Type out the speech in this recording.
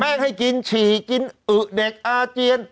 ให้กินฉี่กินอึเด็กอาเจียน